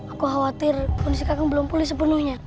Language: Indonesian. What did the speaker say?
aku khawatir kondisi kaki belum pulih sepenuhnya